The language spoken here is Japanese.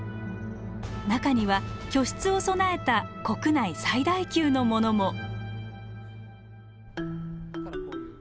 中には居室を備えた国内最大級のものも。